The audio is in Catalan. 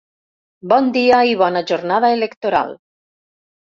Bon dia i bona jornada electoral.